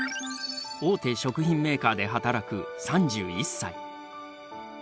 大手食品メーカーで働く３１歳。